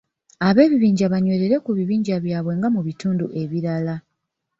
Ab’ebibanja banywerera ku bibanja byabwe nga mu bitundu ebirala.